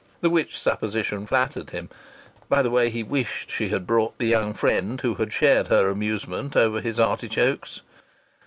The which supposition flattered him. (By the way, he wished she had brought the young friend who had shared her amusement over his artichokes.)